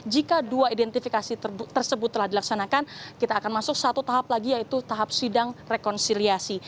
jika dua identifikasi tersebut telah dilaksanakan kita akan masuk satu tahap lagi yaitu tahap sidang rekonsiliasi